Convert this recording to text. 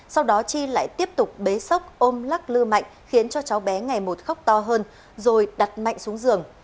sau đó chi lại tiếp tục bế sốc ôm lắc lư mạnh khiến cho cháu bé ngày một khóc to hơn rồi đặt mạnh xuống giường